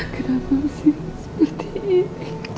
kenapa sih seperti ini